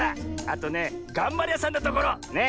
あとねがんばりやさんなところ。ね。